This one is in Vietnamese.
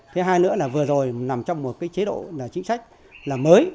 thế hai nữa là vừa rồi nằm trong một cái chế độ là chính sách là mới